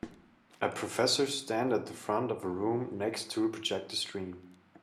A professor stand at the front of a room next to a projector screen.